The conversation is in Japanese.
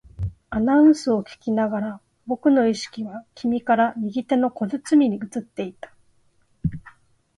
アナウンスを聞きながら、僕の意識は君から右手の小包に移っていった